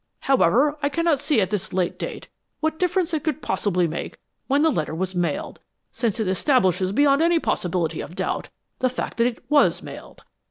However, I cannot see at this late date what difference it could possibly make when the letter was mailed, since it establishes beyond any possibility of doubt the fact that it was mailed.